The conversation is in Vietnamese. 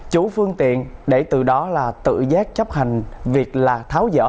chủ phương tiện để từ đó là tự giác chấp hành việc là tháo dỡ